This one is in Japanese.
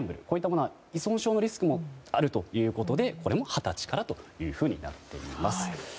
こういったものは依存症のリスクがあるということで、これも二十歳からとなっています。